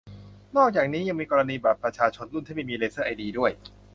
นอกจากนี้ ยังมีกรณีบัตรประชาชนรุ่นที่ไม่มีเลเซอร์ไอดีด้วย